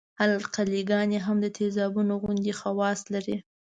القلي ګانې هم د تیزابونو غوندې خواص لري.